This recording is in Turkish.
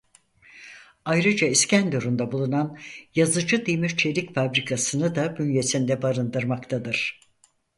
Ayrıca İskenderun da bulunan Yazıcı Demir Çelik fabrikasını da bünyesinde barındırmaktadır.